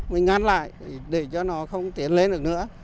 mình ngăn lại để cho nó không tiến lên được nữa